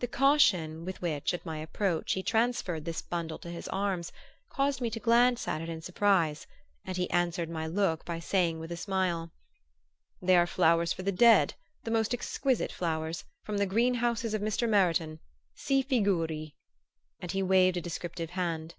The caution with which, at my approach, he transferred this bundle to his arms caused me to glance at it in surprise; and he answered my look by saying with a smile: "They are flowers for the dead the most exquisite flowers from the greenhouses of Mr. Meriton si figuri!" And he waved a descriptive hand.